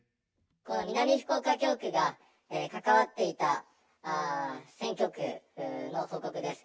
この南福岡教区が、関わっていた選挙区の報告です。